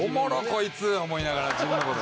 思いながら自分のこと。